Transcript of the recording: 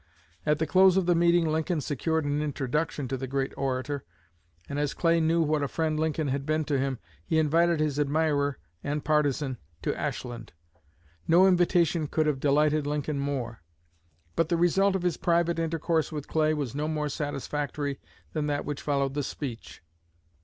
At the close of the meeting Lincoln secured an introduction to the great orator and as Clay knew what a friend Lincoln had been to him, he invited his admirer and partisan to Ashland. No invitation could have delighted Lincoln more. But the result of his private intercourse with Clay was no more satisfactory than that which followed the speech.